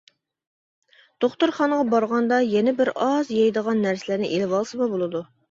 دوختۇرخانىغا بارغاندا يەنە بىر ئاز يەيدىغان نەرسىلەرنى ئېلىۋالسىمۇ بولىدۇ.